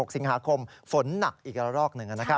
๒๔๒๖สิงหาคมฝนหนักอีกรอบ๑นะครับ